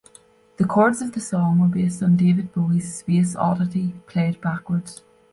The chords of the song were based on David Bowie's "Space Oddity", played backwards.